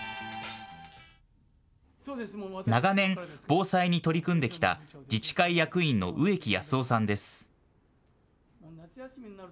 長年、防災に取り組んできた自治会役員の植木保夫さんです。